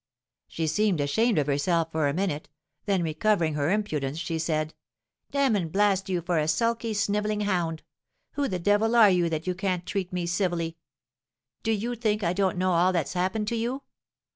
She seemed ashamed of herself for a minute; then, recovering her impudence, she said, 'Damn and blast you for a sulky, snivelling hound! Who the devil are you that you can't treat me civilly? Do you think I don't know all that's happened to you?